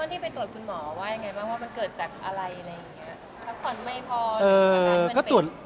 ที่ไปตรวจคุณหมอว่าอย่างไรบ้างว่ามันเกิดจากอะไรอะไรอย่างนี้